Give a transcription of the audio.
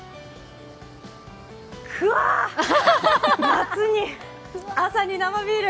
くわぁ、夏に朝に生ビール。